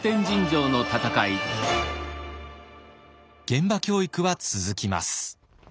現場教育は続きます。